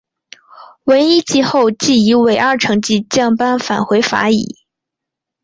惟一季后即以尾二成绩降班返回法乙。